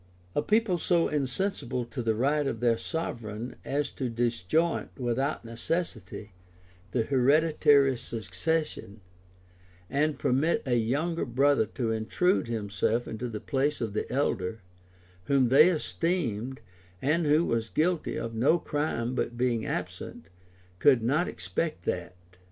A people so insensible to the rights of their sovereign, as to disjoint, without necessity, the hereditary succession, and permit a younger brother to intrude himself into the place of the elder, whom they esteemed, and who was guilty of no crime but being absent, could not expect that.